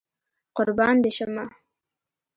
قربان دي شمه